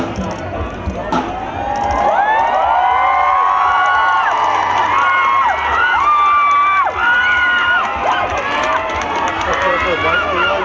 สวัสดีครับ